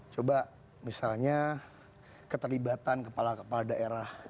coba misalnya keterlibatan kepala kepala daerah